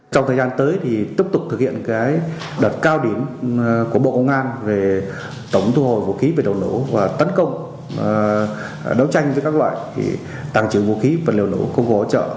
trong thời gian tới thì tiếp tục thực hiện đợt cao điểm của bộ công an về tổng thu hồi vũ khí về nổ và tấn công đấu tranh với các loại tàng trữ vũ khí vật liệu nổ công cụ hỗ trợ